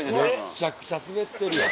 めっちゃくちゃスベってるやん。